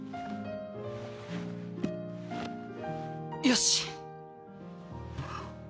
よし！